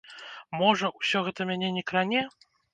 Можа, усё гэта мяне не кране?